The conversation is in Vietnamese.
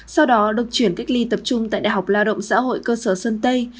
sau đó được chuyển cách ly tập trung tại đh lao động xã hội cơ sở sơn tây